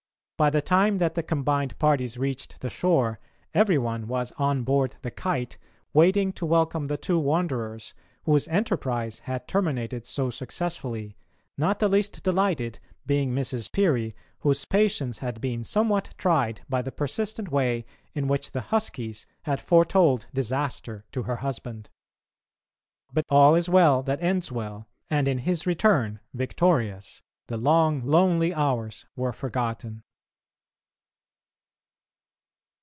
By the time that the combined parties reached the shore, every one was on board the Kite waiting to welcome the two wanderers, whose enterprise had terminated so successfully, not the least delighted being Mrs. Peary, whose patience had been somewhat tried by the persistent way in which the "huskies" had foretold disaster to her husband. But all is well that ends well, and in his return, victorious, the long lonely hours were forgotten.